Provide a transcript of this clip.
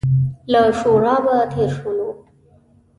له شورابه تېر شولو.